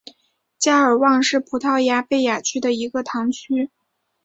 加尔旺是葡萄牙贝雅区的一个堂区。